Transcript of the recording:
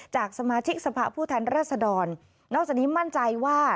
จากสมาชิกสภาพผู้แทนรัศดรนอกจากนี้มั่นใจว่า